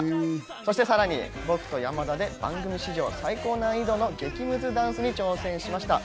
そして、さらに僕と山田で、番組史上最高難易度の激むずダンスに挑戦しました。